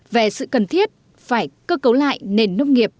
về sự cần thiết phải cơ cấu lại nền nông nghiệp